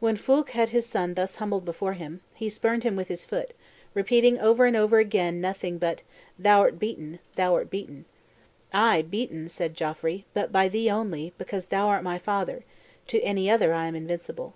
When Foulques had his son thus humbled before him, he spurned him with his foot, repeating over and over again nothing but "Thou'rt beaten, thou'rt beaten!" "Ay, beaten," said Geoffrey, "but by thee only, because thou art my father; to any other I am invincible."